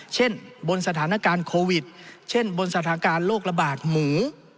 เช่นบนสถานการณ์โควิดเช่นบนสถานการณ์โรคระบาดหมู